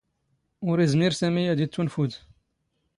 ⵓⵔ ⵉⵣⵎⵉⵔ ⵙⴰⵎⵉ ⴰⴷ ⵉⵜⵜⵓⵏⴼⵓⴷ.